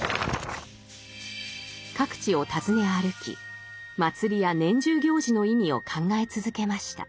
各地を訪ね歩き祭りや年中行事の意味を考え続けました。